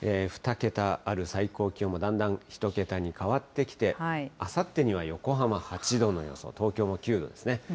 ２桁ある最高気温も、だんだん１桁に変わってきて、あさってには横浜８度の予想、東京も９度ですね。